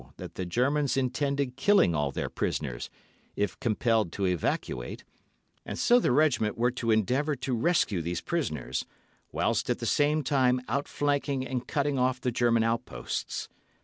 that the Germans intended killing all their prisoners, if compelled to evacuate T——, and so the O——s were to endeavour to rescue these prisoners, whilst at the same time outflanking and cutting off the German outposts.